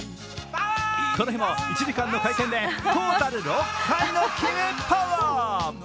この日も１時間の会見でトータル６回の決めパワー。